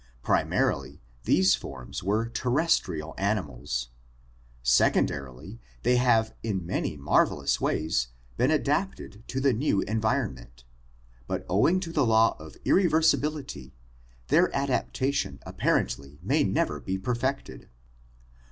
Primarily these forms were terrestrial animals, secondarily they have in many marvelous ways been adapted to the new environment, but owing to the law of irreversibility their adaptation apparently may never be perfected.